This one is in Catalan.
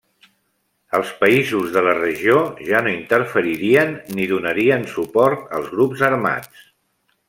Els països de la regió ja no interferirien ni donarien suport als grups armats.